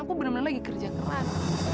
aku bener bener lagi kerja keras